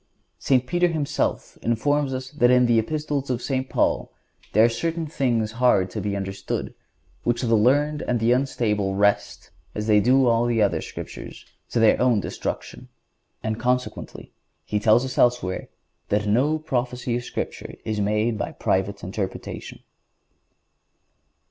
St. Peter himself informs us that in the Epistles of St. Paul there are "certain things hard to be understood, which the unlearned and the unstable wrest, as they do also the other Scriptures, to their own destruction."(146) And consequently he tells us elsewhere "that no prophecy of Scripture is made by private interpretation."